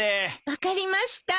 分かりました。